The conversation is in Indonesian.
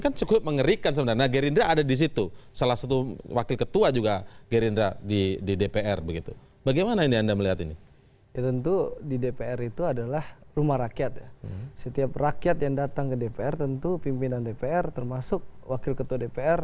kami harus jeda terlebih dahulu